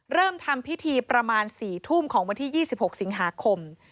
เริ่มทำพิธีประมาณ๔ทุ่มของวันที่๒๖สิงหาคม